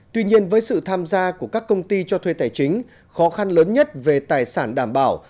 tuy nhiên với sự tham gia của các công ty cho thuê tài chính khó khăn lớn nhất về tài sản đảm bảo